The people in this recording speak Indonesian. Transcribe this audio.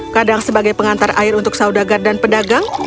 kadang sebagai pengantar air untuk saudagar dan pedagang